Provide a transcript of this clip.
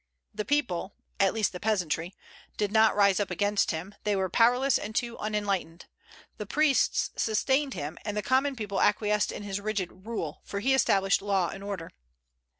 The people, at least the peasantry, did not rise up against him; they were powerless and too unenlightened. The priests sustained him, and the common people acquiesced in his rigid rule, for he established law and order.